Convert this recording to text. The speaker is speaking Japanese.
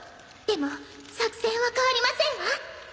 でも作戦は変わりませんわ！